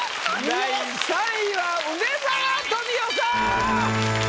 第３位は梅沢富美男さん。